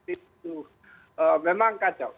itu memang kacau